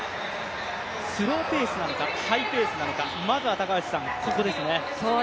スローペースなのか、ハイペースなのか、まずは高橋さん、ここですね。